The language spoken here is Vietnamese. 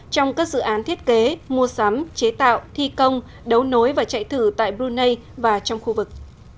trong các dự án thiết kế mua sắm chế tạo thi công đấu nối và chạy thử tại brunei và trong khu vực